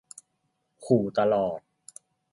ขู่ตลอด